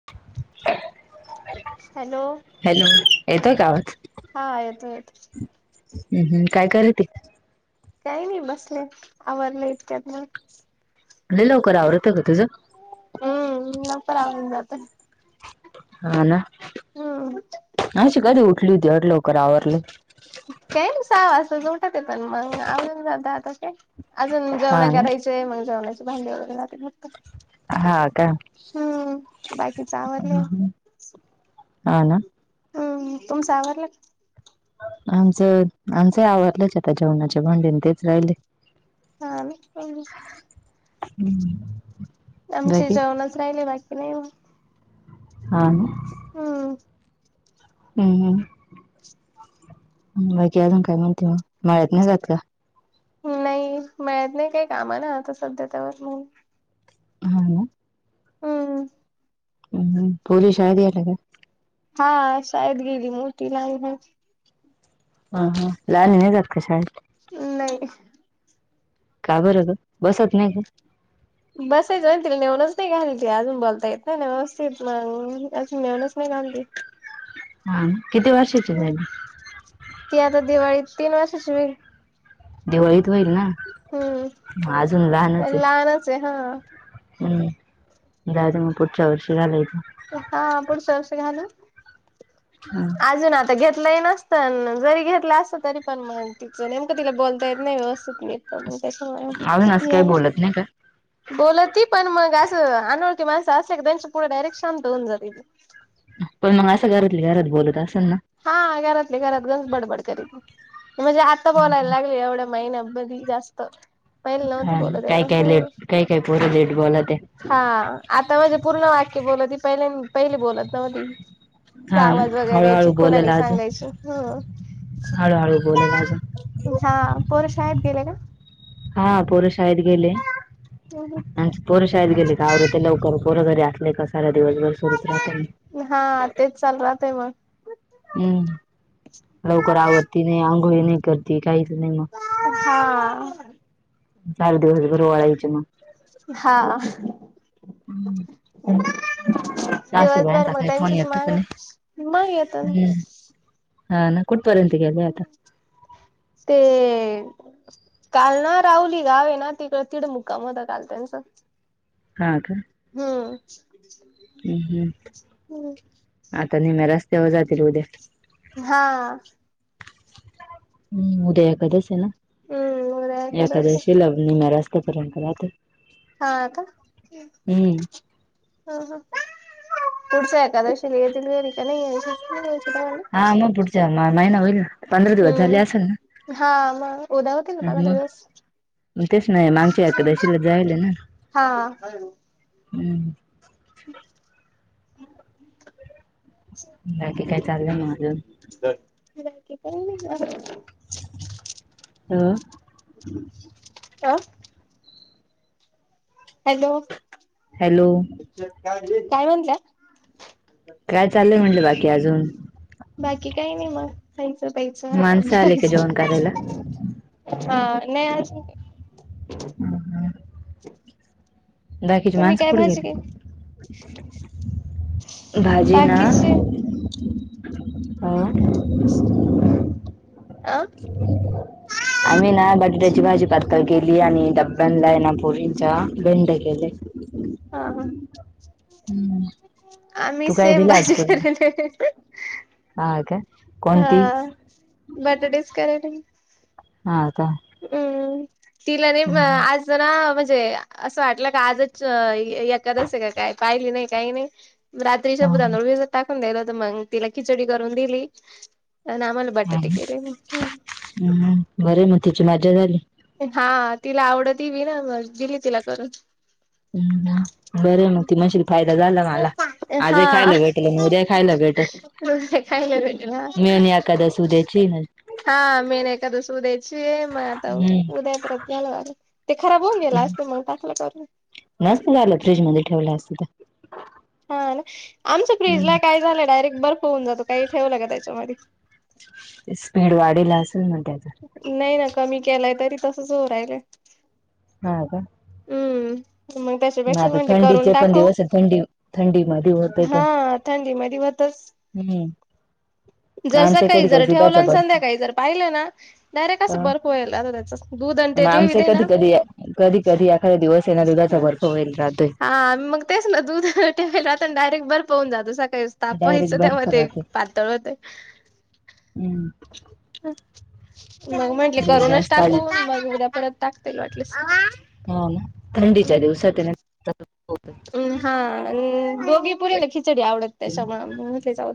[inaudible] Hello hello येतोय का आवाज? हा येतो येतो. हम्म हम्म काय करत ते. काही नाही बसले आवरले इतक्यात मग. लई लवकर आवरत ग तुझं? हम्म लवकर आवरून जातय. ह ना. हम. अशी कधी उठली होती ती लवकर आवरली काय सव असं जोटात पण मग आवून जात आता काय अजून हा जेण का ना राहायच [unintelligible] मग जेवण्याचचे भांडी वगैरे जाते फक्त हा का हम्म बाकीच आवरलय हा ना आहे हम्म तुमच आवरारला आमचं आमच आवडलंच आता जेवणाच्या भांडीने तेच राहिले हा हम्म [unintelligible] आमचे जेवणच राहिले बाकी नाही मग हा हम हम्म ह अजून काय म्हणते म मळ्यात नाही जात का नाही मळ्यात काय नाही काही कामा ना आता सध्या त्यावर म्हणून हा ना हम्म हम्म पोरी शाळेत गेला हा शाळेत गेली मोठी ला हो ह हा लाहान नाही जात कशा नाही का बरं बसत नाही का बसायचं म्ह त नेऊनच नाही घाललीते अजून बोलता येत ना व्यवस्थित मग अजून नेऊनच नाही घालती [unintelligible] हा किती वर्षाची झाली ती आता दिवाळीत तीन वर्षाची होईल दिवाळीत होईल ना अजून हम्म लहानच लहानच आहे हा हम्म दाज मग पुढच्या वर्षी घालायच हा पुढच्या वर्षि घालू हा. अजून आता घेत नसत जरी घेतलं असत तरी पण मग तिचं नेमकं तिला बोलता येत नाही व्यवस्थित मी स अजून असं काही म बोलत नाही का? [unintelligible] बोलती पण मग असं अनवळती माणसं असें क त्यांच्या पुढे डायरेक्ट शांत होऊन जातेी पण मग असं घरातली घरात बोलत असं ना हा घरातली घरात अस बडबड करत म्हणजे आता बोलायला लागले एवढ्या महिन बधी जास्त पहिले नव्हती हा बोलत काय एवढं काय हम्म लेट काय काय पोरी लेट बोलात हा आता म्हणजे पूर्ण वाक्य बोलत ही पहि पहिली बोलत नव्हती हा ना आवाज वगैरे द्यायची हळूहळू खुनाने सांगायची हळू हळू बोलेल अजून हा पोर शाळेत गेले का हा पोर शाळेत गेले हो हो [unintelligible] आणि पोरं शाळेत गेले का आवरते लवकर पोरं घरी असले की सारा दिवसभर सुरूच राहते ना हा तेच चाल राहात आहे मग हम्म लवकर आवरती नाही आंघोळी नाही कर त काहीच नाही मग हा. चार दिवसभर ळायचे मग [unintelligible] हा दिवसभर सासूबाईंचा मग काही फोन त्यांचच येतो का माग नाही? मग येत हम्म हा न कुठ पर्यंत गेले मग आता ते. काल ना रावली गाव आहे ना तिकड तिडमुक्काम काल त्यांचं. हा का. हा. हम्म हम्म आता निम्म्या रस्त्यावर जातील उद्या. हा. हम्म उद्या एकादस आहे ना हम्म उद्या एकादशी एखकादशी लवणी म्यास्ता्यापर्यंत राहते. हा आ का ह हम्म ह. पुढच्या एकादशीला येथील नाही येतील काय माहित. हा नऊ फूटच्या नाही ना होईल. पंधरा दिवस झाले असेल हम्म ना हा मग उद्या होतील ना पंधरा मग. दिवस तेच नाही, मागच्या एकादशीला जायल ना. हा हम्म. बाकी काय चाललं ना अजून. [unintelligible] [inaudible] ह. अह. हॅलो हॅलो काय म्हणताय. काय चाललंय म्हटल बाकी अजून. बाकी काय नाही मग खायचं प्यायचं आराम माणसं आले का करायचं जेवण करायला. मग. हा नाही अजून. [unintelligible] बाकीची तुम्ही माणसं काय कुठ भाजी गेली? केली भाजी ना, बाकीचे अं अ आम्ही ना बडड्याची भाजी पातळ केली आणि बनलाय ना परीच्या बंद केले. हा हा. हम्म. आम्ही तू काय सेम भाजी केले. ह का कोणती. बटाट्याच कराले. हा का. हम्म तिला न हा आज जरा म्हणजे. असं वाटलं का आजच य येत्यातच सगळे काय पण नाही काही नाही. रात्री श तांदूळ टाकून द्यायला होत मग तिला खिचडी करून दिली आणि आम्हाला हा बटाटे केले मग ह बरं मग तिची मजा झाली. हा तिला आवडत बी ना मग दिली तिला करून. बरा आहे मग ती माशील फायदा झाला मला आज हा खायला भेटेल आणि उद्या खायला भेटल. खायला भेटेल हा मेन एकादस उद्याची. हा मेन एकादस उद्याची मग आता हम्म. उद्या परत घ्यायला लागणार. ते खराब होऊन गेला असत मग टाकायलाच लागल असतं. मस्त लागलं फ्रिज मध्ये ठेवलं असतं तर. हा ना आमच्या फ्रीज ला हम्म काय झालं डायरेक्ट बर्फ होऊन जातो काही ठेवलं काय त्याच्यामध्ये. स्पीड वाढीवला असेल ना त्याचा. नाही ना कमी केलाय तरी तसच हो राहिलय. ह का. हम्म. मग ना त्याच्यापेक्षा आता म्हटलं करून थंडीचे पण टाखव, दिवस आहे थंडी थंडी मध्ये हा थंडी मध्ये होतच. हं. जर सकाळी जर ठेवलं आणि संध्याकाळी जर पाहिलं ना, डायरेक्ट असं बर्फ व्हाय लागायचं. मग आमचे कधी कधी कधी कधी कधी एखाद्या दिवस आहे ना दुधाचा भर हा मग तेच ना दूधे डायरेक्ट बर पावून जाुस काही तप हस ते म ते पातळ ते हम् मग म्हंटले ते करूनच जास्त आधी टाकू मग उद्या परत टाकते लटस्ट हो ना थंडीच्या दिवसात हम हा दोघी पुरीला ह खिचडी आवडततेच्यााच्याव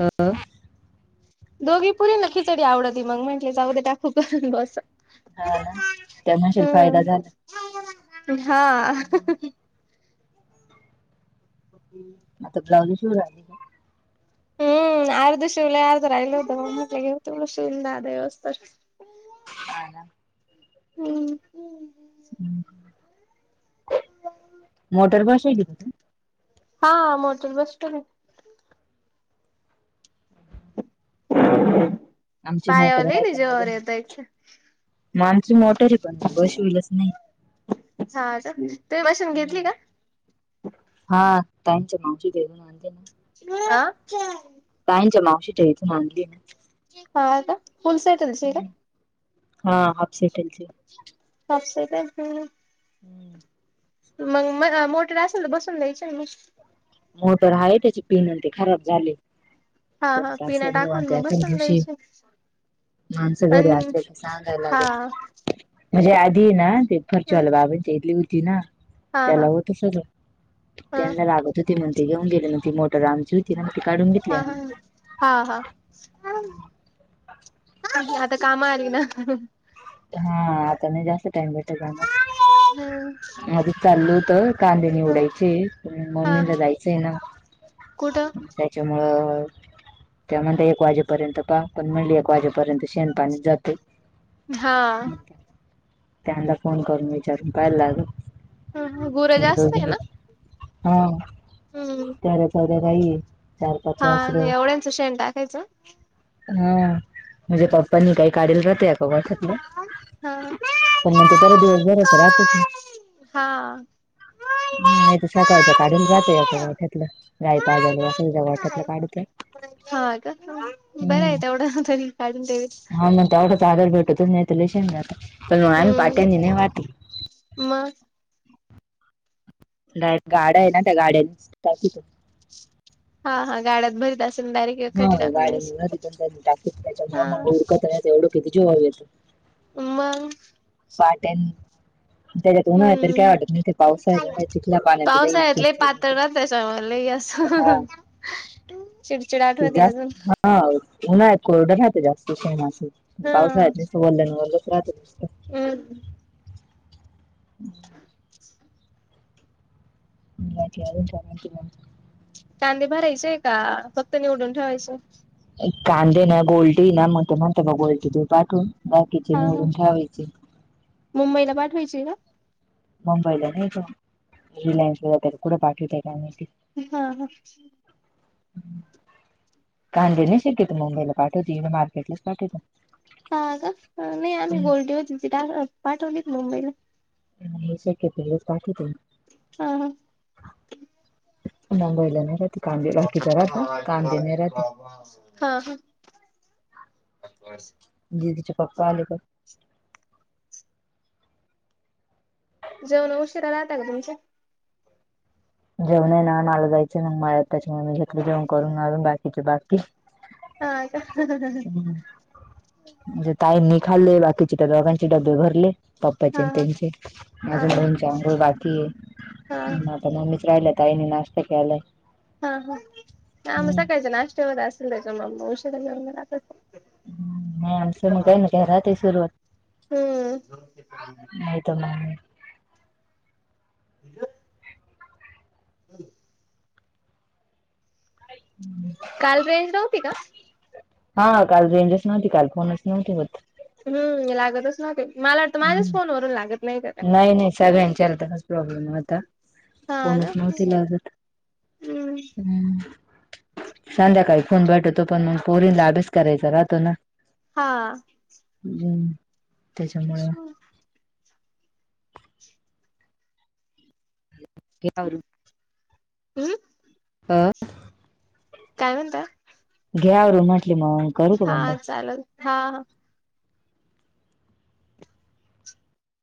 हा दोघी पुरी ना खिचडी आवडतती मग म्हटले अगद टाकूप बस हा ना त्यांनाशी फायदा हम्म झाला हा ह आता ब्लाउज श राहिली हम आर द शव या होे तु शिवलवस्त ह ना हम्म मोटर बस आहेची त हा मोटर बस स्टो आमची मोठय पायावर लई ना जीवावर येतं एक माणस मोटर आहे पण मग शि होईलच नाही हा तु भासून घेतली का हा ताच मावशी देऊून आणते ना म ताईंच्या मावशीच्या इथून आणली हाता फुल सटल शेर ना. हा आप सिटेल सपसे तर हम् मग म मोठेर असेल तर बसून द्यायच्या म मोटर आहेा त्याचे पिनल ते खराब झाले हा त्या हा तास पिना येऊन टाकून त्या मग एखच बसून दिवशी द्यायची. माणसं घरी अन असले तर हा सांगायलागल म्हणजे आधी ना ते हा फरचवालं बाबाणच्या इेतली होती ना त्याला हा होत सगळं हा त्यांना लागत होती म्हणते घेऊन गेले ना ती मोटर आमची होती ति काढून घेतली हा हा हा आता काम आली ना हा त जास्त टाइम बेठो माझी चालल होत कांदे नि हा उडायचे प हा मम्मीला जायचंय ना कुठं त्याच्यामुळं त्या म्हण एक वाजेपर्यंत प पण म्हणली एक वाजे र्यंत शेण पाणी जाते हा त्यां फोन करून विचारून पाहायला लागल गुरं जास्त आहे ना हा हम्म त चर राई हा एवढ्यांचं शेण टाकायचं हा म्हणजे पप्पानी काही काढल जते का हा हा पण मग ते बर दिवसभरच राहतेच ना हम नाही तर सकाळच्या काढला राह याठ्यातलं गाय पाजनी असंधा वाटातलं काढत हा का बरं आहे एवढं तरी काढून देवीत हा मग तेवढाच आधार भेटतो, नाही तर हम्म [unintelligible] मग गाड्या आहे ना त्या गाड्यां [unintelligible] हा हा गाड्यात भरीत असत [unintelligible] एवढं हा किती ते जीवावर येतं. मंग. पाटन त्याच्यात उन्हाळ्यात तरी काय हम्म वाटत नाही, पावसाळ्यात चिखला पाण्याचं लय पावसाळ्यात चिडचिड. होते. [unintelligible] लय हा असं, चिडचिड ते आठवती अजून. जास्त हा उन्हाळ्यात कोरडं राहतं जास्त सण अस हा पावसाळ्यात निस्त वल्ल न वल्ल. [unintelligible] हम् [inaudible] [unintelligible] कांदे भरायचेय का, फक्त निवडून ठेवायचे? कांदे ना बोलते ना म्हणत म्हणते मग [unintelligible] पाठवून, बाकीचे हा हा निवडून ठेवायचे मुंबईला पाठवायची का? मुंबईला नाही ग. रिलायन्स वगैरे कुठं पाठवतंय काय माहिती? हा हा. कांदे नाही शक्यतो मुंबईला पाठवते, मार्केटलाच पाठवती. हा का? नाही आम्ही गोल्डी होती पाठवली होती मुंबईला. मुंबईस शक्यतो लयच पाठीवतोय. हा हा मुंबईला नाय रा [unintelligible] हा हा. [unintelligible] दीदीचे पप्पा आले का? जेवण उशिरा राहता का तुमचं‌? जेवण हाय ना, मला जायचंय मग मळ्यात त्याच्यामुळं मी घेतलं जेवण करून, बाकीचे बाकी हा का? हम म्हणजे ताईंनी खाल्लंय बाकीचे त्या दोघांचे डब्बे भरले. पप्पाचे हा अन हा त्यांचे, हा अजून हा मम्मीची अंघोळ बाकी आहे. हा म आता म्म्म राहिल्या, ताईने नाश्ता केलाय. हा हा, नाय आम्ही हम्म सकाळच्या नाष्ट्यावर आज संध्याकाळी म उशिरा जेवण हम् नाही आमचं मग काही ना काही राहतंय सुरु, हम्म नाहीत म [unintelligible] [unintelligible] काल रेंज नव्हती का? हा काल रेंजच नव्हती काल फोनच नव्हते होत. हम् लागतच नव्हते, मला वाटतं माझ्याच हम्म फोनवरून लागत नाही का काय? नाही नाही सगळ्यांच्या [unintelligible] प्रॉब्लेम होता. हा ना फोनच नव्हते लागत. हम्म हम् संध्याकाळी फोन भेटतो, पण मग पोरींला अभ्यास करायचा राहतो ना? हा [unintelligible] त्याच्यामुळे [unintelligible] घे आवरून. हम् आ. काय म्हणता? घे आवरून म्हटली मग. करू का हा बंद चालंल, हा हा